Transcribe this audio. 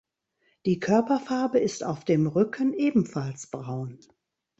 Die Körperfarbe ist auf dem Rücken ebenfalls braun.